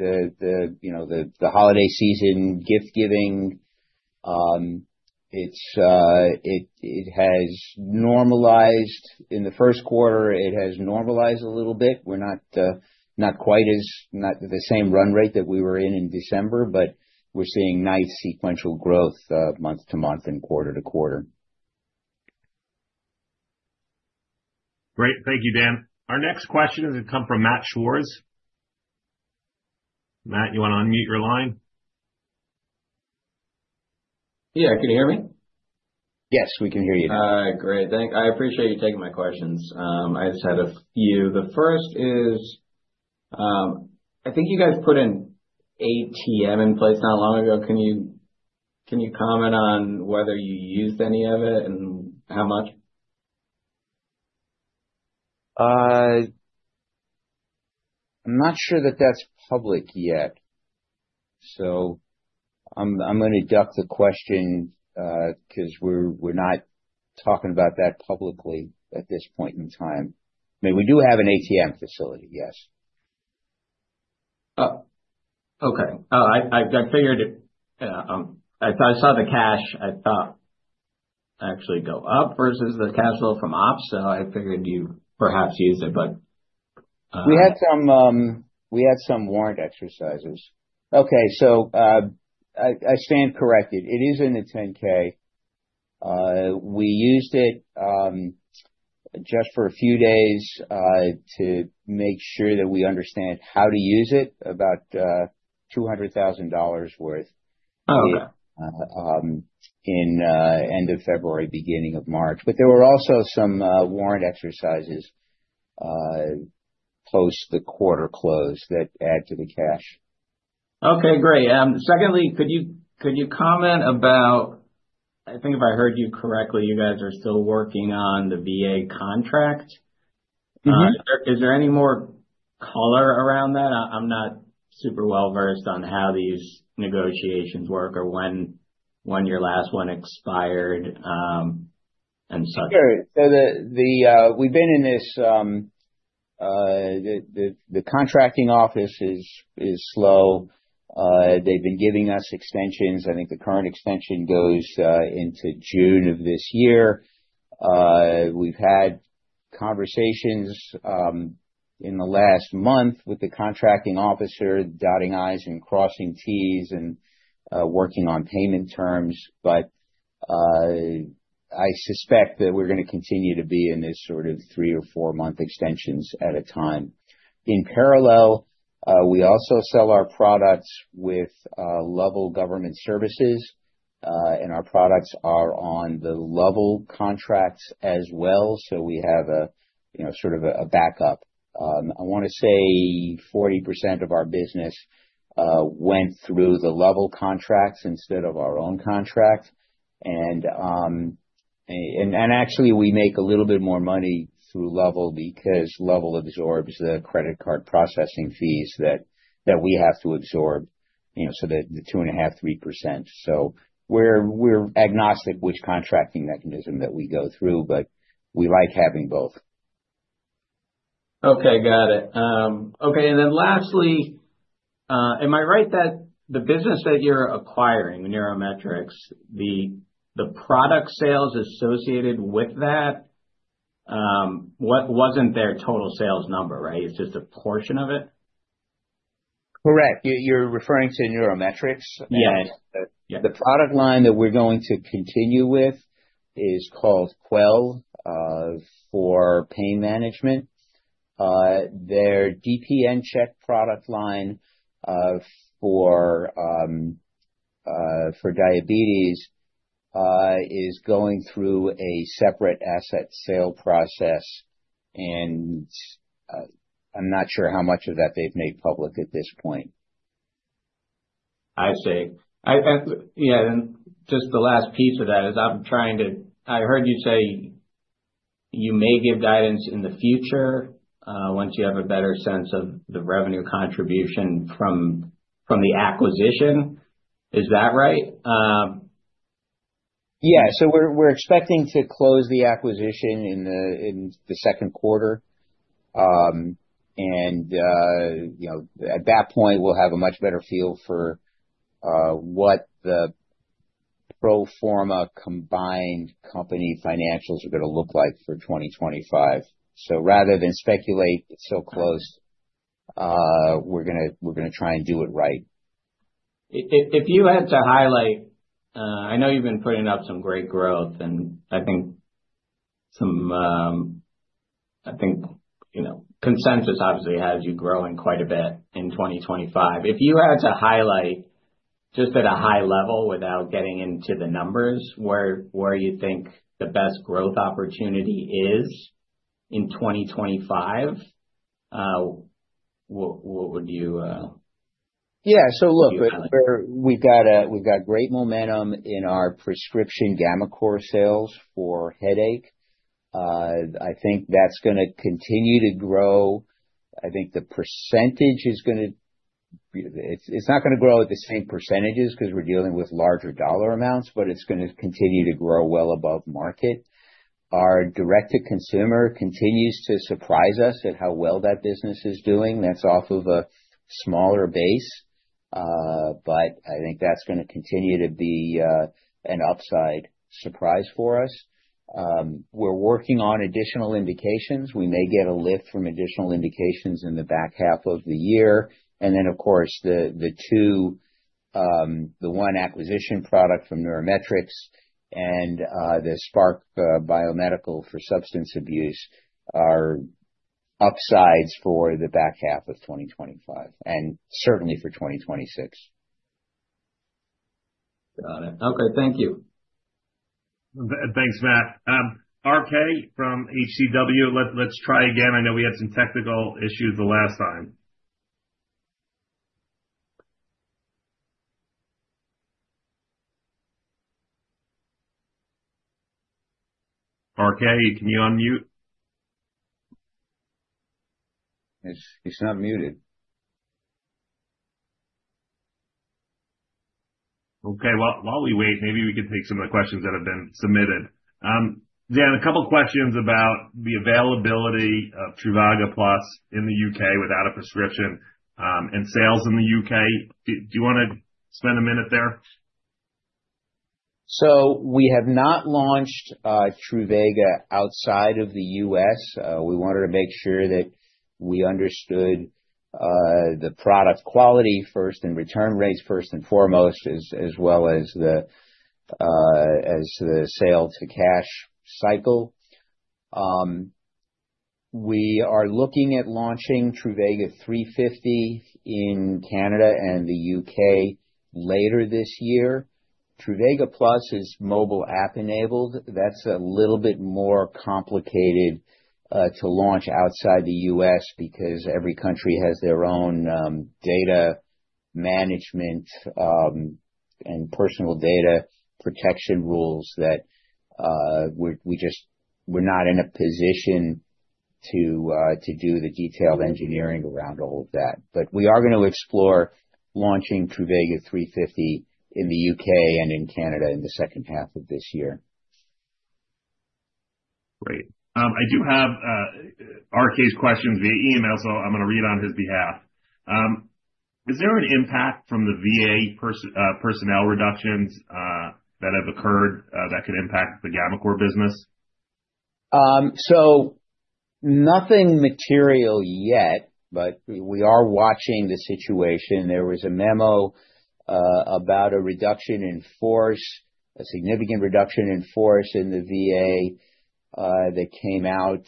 the holiday season gift-giving. It has normalized. In the first quarter, it has normalized a little bit. We're not quite at the same run rate that we were in December, but we're seeing nice sequential growth month to month and quarter to quarter.
Great. Thank you, Dan. Our next question is going to come from Matt Schwarz. Matt, you want to unmute your line?
Yeah. Can you hear me?
Yes, we can hear you.
All right. Great. Thanks. I appreciate you taking my questions. I just had a few. The first is, I think you guys put an ATM in place not long ago. Can you comment on whether you used any of it and how much?
I'm not sure that that's public yet. I am going to deduct the question because we're not talking about that publicly at this point in time. I mean, we do have an ATM facility, yes.
Oh, okay. Oh, I figured it. I saw the cash. I thought actually go up versus the cash flow from ops. I figured you perhaps used it but,
We had some warrant exercises. Okay. I stand corrected. It is in the 10K. We used it just for a few days to make sure that we understand how to use it, about $200,000 worth in end of February, beginning of March. There were also some warrant exercises post the quarter close that add to the cash.
Okay. Great. Secondly, could you comment about—I think if I heard you correctly, you guys are still working on the VA contract. Is there any more color around that? I'm not super well-versed on how these negotiations work or when your last one expired and such.
Sure. We've been in this—the contracting office is slow. They've been giving us extensions. I think the current extension goes into June of this year. We've had conversations in the last month with the contracting officer, dotting I's and crossing T's and working on payment terms. I suspect that we're going to continue to be in this sort of three- or four-month extensions at a time. In parallel, we also sell our products with Level Government Services. Our products are on the Level contracts as well, so we have sort of a backup. I want to say 40% of our business went through the Level contracts instead of our own contract. Actually, we make a little bit more money through Level because Level absorbs the credit card processing fees that we have to absorb, so the 2.5% to 3%. We're agnostic which contracting mechanism that we go through, but we like having both.
Okay. Got it. Okay. Lastly, am I right that the business that you're acquiring, NeuroMetrix, the product sales associated with that wasn't their total sales number, right? It's just a portion of it?
Correct. You're referring to NeuroMetrix?
Yes.
The product line that we're going to continue with is called Quell for pain management. Their DPNCheck product line for diabetes is going through a separate asset sale process. I'm not sure how much of that they've made public at this point.
I see. Yeah. Just the last piece of that is I'm trying to—I heard you say you may give guidance in the future once you have a better sense of the revenue contribution from the acquisition. Is that right?
Yeah. We're expecting to close the acquisition in the second quarter. At that point, we'll have a much better feel for what the Proforma Combined Company financials are going to look like for 2025. Rather than speculate, it's so close. We're going to try and do it right.
If you had to highlight—I know you've been putting up some great growth. I think consensus obviously has you growing quite a bit in 2025. If you had to highlight just at a high level without getting into the numbers where you think the best growth opportunity is in 2025, what would you?
Yeah. Look, we've got great momentum in our prescription gammaCore sales for headache. I think that's going to continue to grow. I think the percentage is going to—it's not going to grow at the same percentages because we're dealing with larger dollar amounts, but it's going to continue to grow well above market. Our direct-to-consumer continues to surprise us at how well that business is doing. That's off of a smaller base. I think that's going to continue to be an upside surprise for us. We're working on additional indications. We may get a lift from additional indications in the back half of the year. Of course, the one acquisition product from NeuroMetrix and the Spark Biomedical for substance abuse are upsides for the back half of 2025 and certainly for 2026.
Got it. Okay. Thank you.
Thanks, Matt. RK from HC Wainwright, let's try again. I know we had some technical issues the last time. RK, can you unmute?
He's not muted.
Okay. While we wait, maybe we can take some of the questions that have been submitted. Dan, a couple of questions about the availability of Truvaga Plus in the U.K. without a prescription and sales in the U.K. Do you want to spend a minute there?
We have not launched Truvaga outside of the U.S. We wanted to make sure that we understood the product quality first and return rates first and foremost, as well as the sale-to-cash cycle. We are looking at launching Truvaga 350 in Canada and the U.K. later this year. Truvaga Plus is mobile app-enabled. That's a little bit more complicated to launch outside the U.S. because every country has their own data management and personal data protection rules that we're not in a position to do the detailed engineering around all of that. We are going to explore launching Truvaga 350 in the U.K. and in Canada in the second half of this year.
Great. I do have RK's questions via email, so I'm going to read on his behalf. Is there an impact from the VA personnel reductions that have occurred that could impact the gammaCore business?
Nothing material yet, but we are watching the situation. There was a memo about a reduction in force, a significant reduction in force in the VA that came out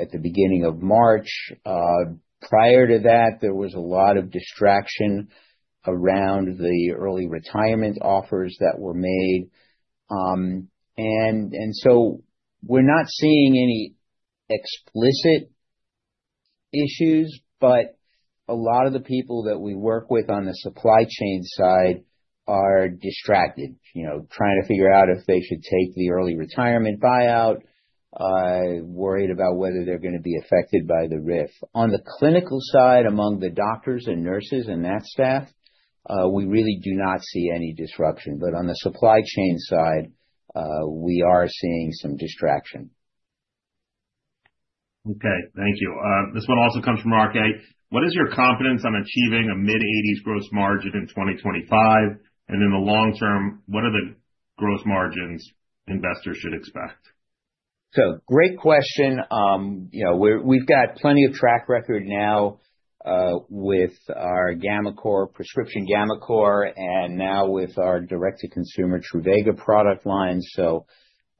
at the beginning of March. Prior to that, there was a lot of distraction around the early retirement offers that were made. We are not seeing any explicit issues, but a lot of the people that we work with on the supply chain side are distracted, trying to figure out if they should take the early retirement buyout, worried about whether they are going to be affected by the RIF. On the clinical side, among the doctors and nurses and that staff, we really do not see any disruption. On the supply chain side, we are seeing some distraction.
Okay. Thank you. This one also comes from RK. What is your confidence on achieving a mid-80s gross margin in 2025? In the long term, what are the gross margins investors should expect?
Great question. We've got plenty of track record now with our prescription gammaCore and now with our direct-to-consumer Truvaga product line.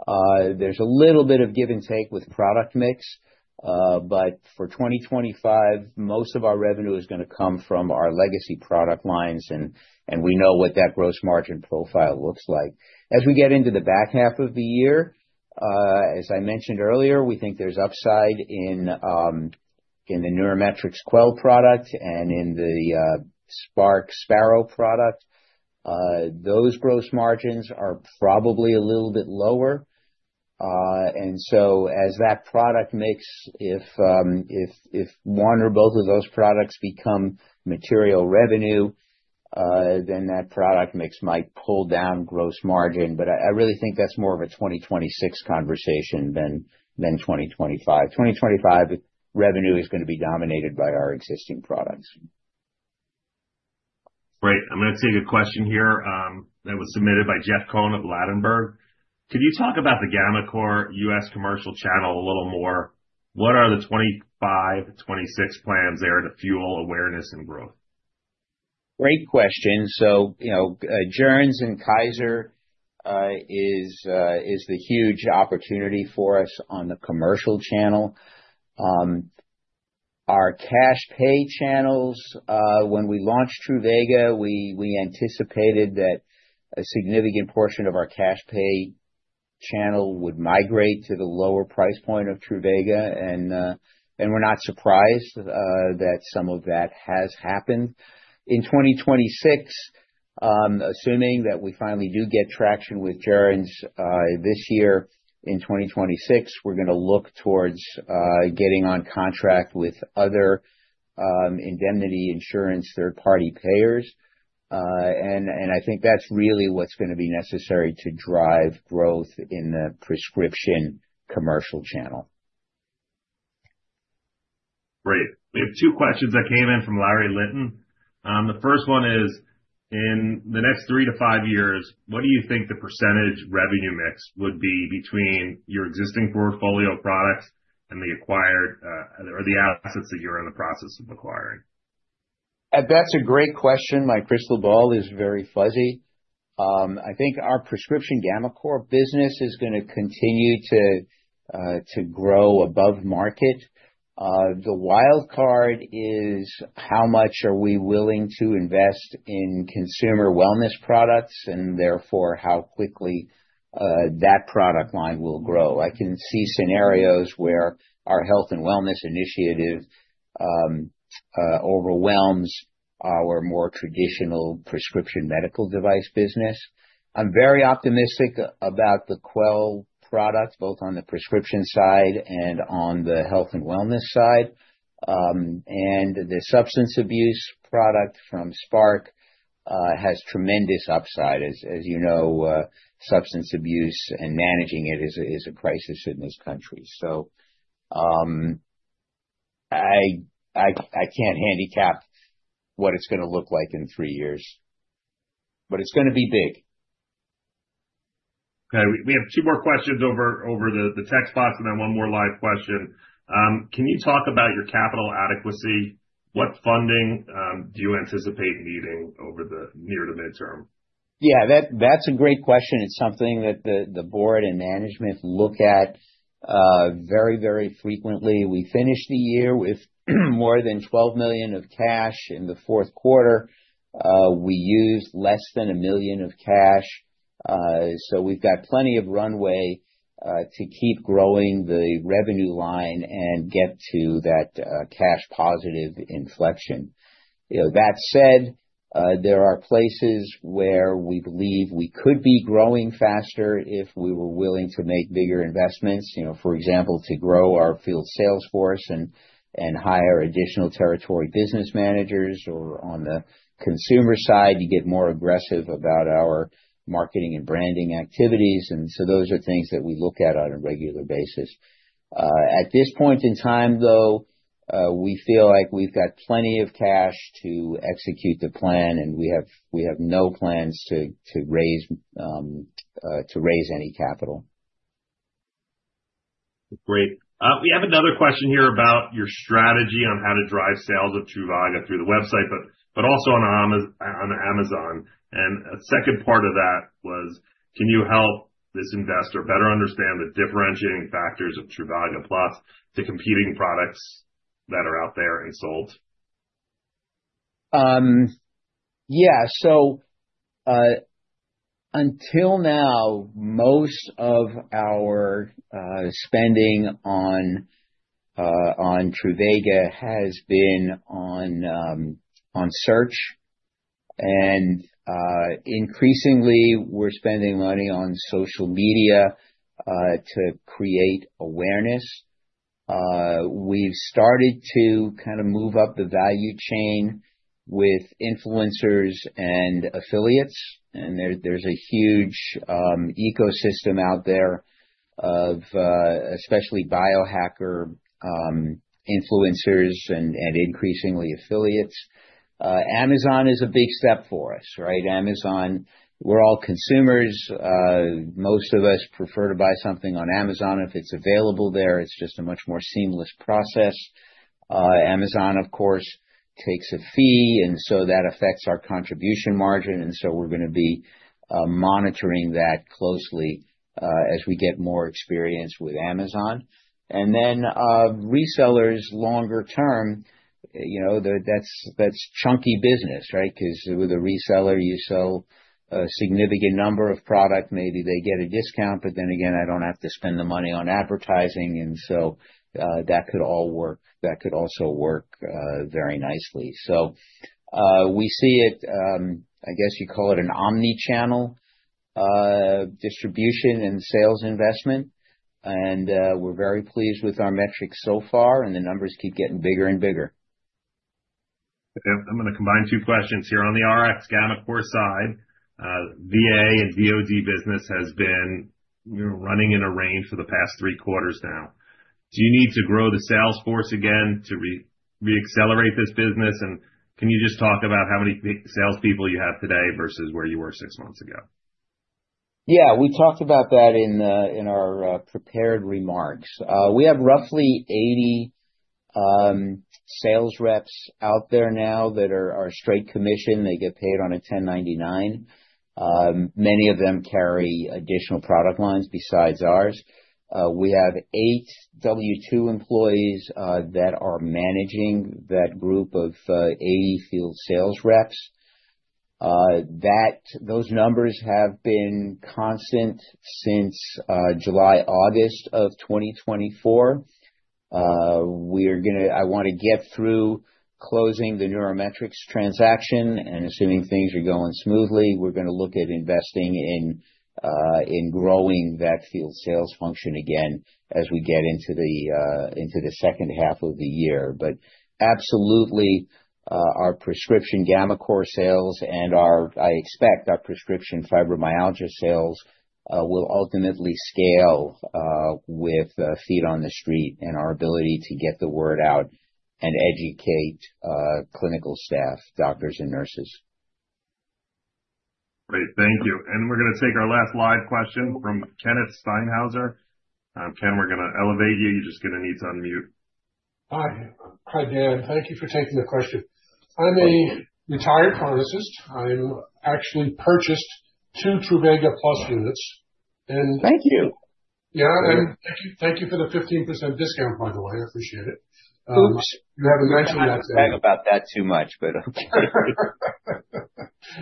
There's a little bit of give and take with product mix. For 2025, most of our revenue is going to come from our legacy product lines, and we know what that gross margin profile looks like. As we get into the back half of the year, as I mentioned earlier, we think there's upside in the NeuroMetrix Quell product and in the Spark Sparrow product. Those gross margins are probably a little bit lower. As that product mix, if one or both of those products become material revenue, then that product mix might pull down gross margin. I really think that's more of a 2026 conversation than 2025. 2025 revenue is going to be dominated by our existing products.
Great. I'm going to take a question here that was submitted by Jeff Cohn of Ladenburg. Could you talk about the gammaCore U.S. commercial channel a little more? What are the 2025, 2026 plans there to fuel awareness and growth?
Great question. Joerns and Kaiser is the huge opportunity for us on the commercial channel. Our cash pay channels, when we launched Truvaga, we anticipated that a significant portion of our cash pay channel would migrate to the lower price point of Truvaga. And we're not surprised that some of that has happened. In 2026, assuming that we finally do get traction with Joerns this year, in 2026, we're going to look towards getting on contract with other indemnity insurance third-party payers. I think that's really what's going to be necessary to drive growth in the prescription commercial channel.
Great. We have two questions that came in from Larry Linton. The first one is, in the next three to five years, what do you think the percentage revenue mix would be between your existing portfolio products and the acquired or the assets that you're in the process of acquiring?
That's a great question. My crystal ball is very fuzzy. I think our prescription gammaCore business is going to continue to grow above market. The wild card is how much are we willing to invest in consumer wellness products and therefore how quickly that product line will grow. I can see scenarios where our health and wellness initiative overwhelms our more traditional prescription medical device business. I'm very optimistic about the Quell product, both on the prescription side and on the health and wellness side. The substance abuse product from Spark has tremendous upside. As you know, substance abuse and managing it is a crisis in this country. I can't handicap what it's going to look like in three years, but it's going to be big.
Okay. We have two more questions over the text box and then one more live question. Can you talk about your capital adequacy? What funding do you anticipate needing over the near to midterm?
Yeah. That's a great question. It's something that the board and management look at very, very frequently. We finished the year with more than $12 million of cash in the fourth quarter. We used less than $1 million of cash. We have plenty of runway to keep growing the revenue line and get to that cash-positive inflection. That said, there are places where we believe we could be growing faster if we were willing to make bigger investments. For example, to grow our field sales force and hire additional territory business managers. On the consumer side, you get more aggressive about our marketing and branding activities. Those are things that we look at on a regular basis. At this point in time, though, we feel like we have plenty of cash to execute the plan, and we have no plans to raise any capital.
Great. We have another question here about your strategy on how to drive sales of Truvaga through the website, but also on Amazon. A second part of that was, can you help this investor better understand the differentiating factors of Truvaga Plus to competing products that are out there and sold?
Yeah. Until now, most of our spending on Truvaga has been on search. Increasingly, we're spending money on social media to create awareness. We've started to kind of move up the value chain with influencers and affiliates. There's a huge ecosystem out there of especially biohacker influencers and increasingly affiliates. Amazon is a big step for us, right? Amazon, we're all consumers. Most of us prefer to buy something on Amazon if it's available there. It's just a much more seamless process. Amazon, of course, takes a fee, and so that affects our contribution margin. We're going to be monitoring that closely as we get more experience with Amazon. Resellers longer term, that's chunky business, right? Because with a reseller, you sell a significant number of products. Maybe they get a discount, but then again, I don't have to spend the money on advertising. That could all work. That could also work very nicely. We see it, I guess you call it an omnichannel distribution and sales investment. We are very pleased with our metrics so far, and the numbers keep getting bigger and bigger.
Okay. I'm going to combine two questions here on the RX gammaCore side. VA and DOD business has been running in a range for the past three quarters now. Do you need to grow the salesforce again to reaccelerate this business? Can you just talk about how many salespeople you have today versus where you were six months ago?
Yeah. We talked about that in our prepared remarks. We have roughly 80 sales reps out there now that are straight commission. They get paid on a 1099. Many of them carry additional product lines besides ours. We have eight W-2 employees that are managing that group of 80 field sales reps. Those numbers have been constant since July, August of 2024. I want to get through closing the NeuroMetrix transaction. Assuming things are going smoothly, we're going to look at investing in growing that field sales function again as we get into the second half of the year. Absolutely, our prescription gammaCore sales and I expect our prescription fibromyalgia sales will ultimately scale with feet on the street and our ability to get the word out and educate clinical staff, doctors, and nurses.
Great. Thank you. We're going to take our last live question from Kenneth Steinhauser. Kenneth, we're going to elevate you. You're just going to need to unmute.
Hi, Dan. Thank you for taking the question. I'm a retired pharmacist. I actually purchased two Truvaga Plus units. And thank you. Yeah. And thank you for the 15% discount, by the way. I appreciate it. You haven't mentioned that yet.
I don't talk about that too much, but okay.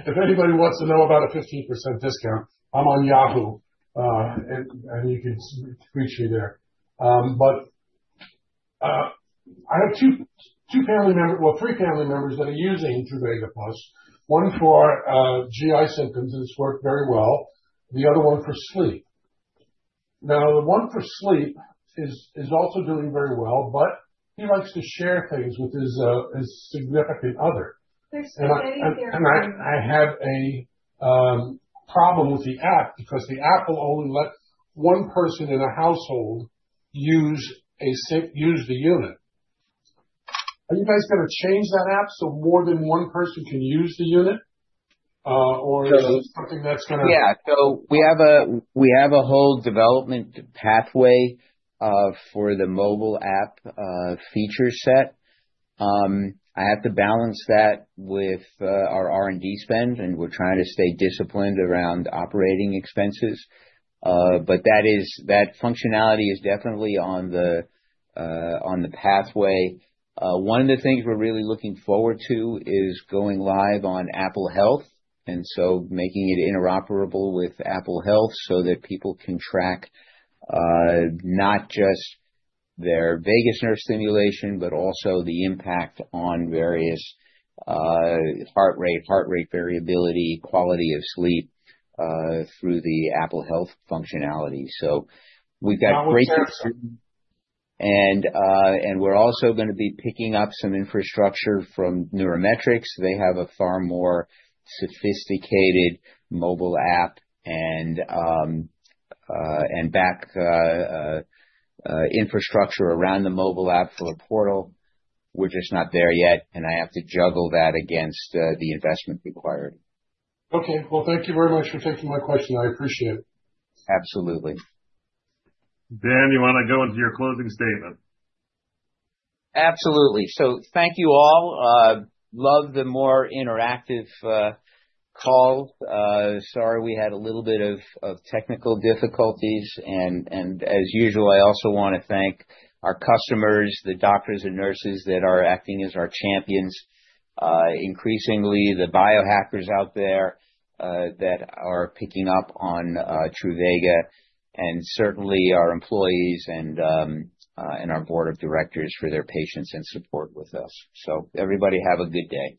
If anybody wants to know about a 15% discount, I'm on Yahoo, and you can reach me there. I have two family members, well, three family members that are using Truvaga Plus. One for GI symptoms, and it's worked very well. The other one for sleep. Now, the one for sleep is also doing very well, but he likes to share things with his significant other. I have a problem with the app because the app will only let one person in a household use the unit. Are you guys going to change that app so more than one person can use the unit? Is it something that's going to?
Yeah. We have a whole development pathway for the mobile app feature set. I have to balance that with our R&D spend, and we're trying to stay disciplined around operating expenses. That functionality is definitely on the pathway. One of the things we're really looking forward to is going live on Apple Health and making it interoperable with Apple Health so that people can track not just their vagus nerve stimulation, but also the impact on various heart rate, heart rate variability, quality of sleep through the Apple Health functionality. We have great things to do. We're also going to be picking up some infrastructure from NeuroMetrix. They have a far more sophisticated mobile app and back infrastructure around the mobile app for a portal. We're just not there yet, and I have to juggle that against the investment required.
Thank you very much for taking my question. I appreciate it.
Absolutely.
Dan, you want to go into your closing statement?
Absolutely. Thank you all. Love the more interactive calls. Sorry, we had a little bit of technical difficulties. As usual, I also want to thank our customers, the doctors and nurses that are acting as our champions, increasingly the biohackers out there that are picking up on Truvaga, and certainly our employees and our board of directors for their patience and support with us. Everybody have a good day.